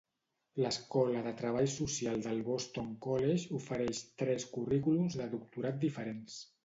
L'escola de treball social del Boston College ofereix tres currículums de doctorat diferents.